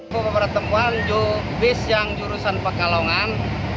beberapa temuan bis yang jurusan pekalongan